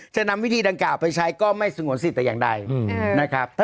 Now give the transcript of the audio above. จะนำวิธีดังกล่าวไปใช้ก็ไม่สงวนสิทธิแต่อย่างใดนะครับ